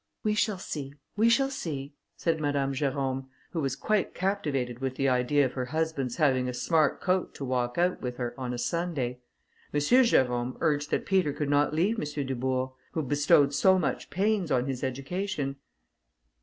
"We shall see, we shall see," said Madame Jerôme, who was quite captivated with the idea of her husband's having a smart coat to walk out with her on a Sunday. M. Jerôme urged that Peter could not leave M. Dubourg, who bestowed so much pains on his education.